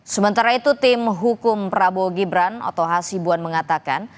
sementara itu tim hukum prabowo gibran oto hasibuan mengatakan